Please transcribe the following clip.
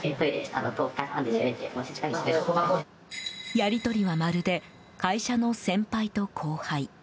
やり取りはまるで会社の先輩と後輩。